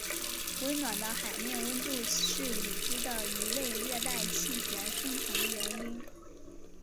温暖的海面温度是已知的一类热带气旋生成原因。